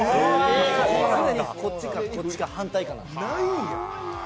常にこっちか、反対かなんです。